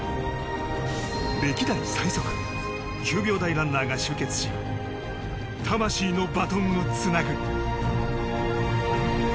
歴代最速９秒台ランナーが集結し魂のバトンをつなぐ。